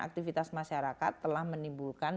aktivitas masyarakat telah menimbulkan